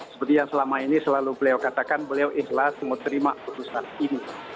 seperti yang selama ini selalu beliau katakan beliau ikhlas mau terima putusan ini